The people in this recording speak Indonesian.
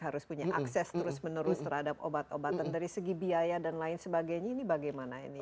harus punya akses terus menerus terhadap obat obatan dari segi biaya dan lain sebagainya ini bagaimana ini